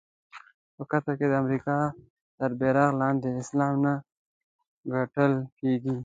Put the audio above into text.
په قطر کې د امریکا تر بېرغ لاندې اسلام نه ګټل کېږي.